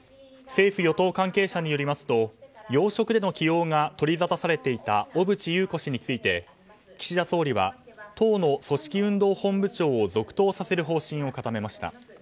政府・与党関係者によりますと要職での起用が取りざたされていた小渕優子氏について、岸田総理は党の組織運動本部長を続投させる方針を固めました。